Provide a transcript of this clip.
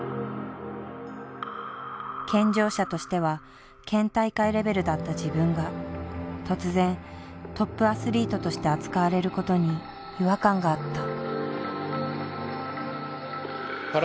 健常者としては県大会レベルだった自分が突然トップアスリートとして扱われることに違和感があった。